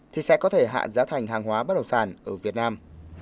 thì sẽ có thể hạ giá thành hàng hóa bất động sản ở việt nam